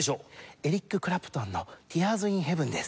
エリック・クラプトンの『ティアーズ・イン・ヘヴン』です。